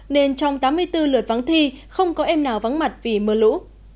nên trong tám mươi bốn lượt vắng thi không có em nào vắng mặt vì mưa lũ